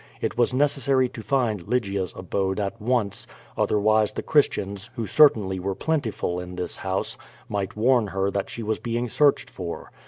It was necessary to find Lygia's abode at once, otherwise the Chris tians, who certainly were plentiful in this house, might warn her that she was being searched for.